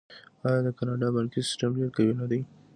آیا د کاناډا بانکي سیستم ډیر قوي نه دی؟